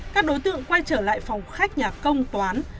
các đối tượng quay trở lại phòng khách nhà công toán